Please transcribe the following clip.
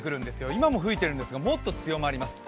今も吹いてるんですがもっと強まります。